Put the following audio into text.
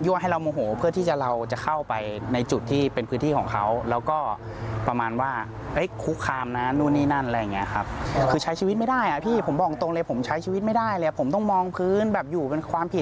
อยากให้ต่างคนต่างอยู่ค่ะ